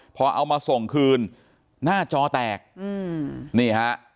พอเอามาส่งคืนหน้าจอแตกอืมนี่ฮะ